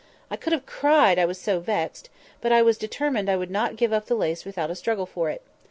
I could have cried, I was so vexed; but I determined I would not give the lace up without a struggle for it.